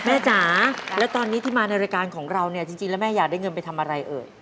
จ๋าแล้วตอนนี้ที่มาในรายการของเราเนี่ยจริงแล้วแม่อยากได้เงินไปทำอะไรเอ่ย